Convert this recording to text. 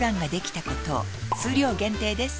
数量限定です